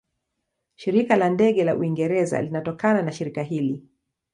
Shirika la Ndege la Uingereza linatokana na shirika hili.